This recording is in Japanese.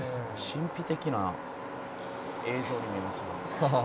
「神秘的な映像に見えます」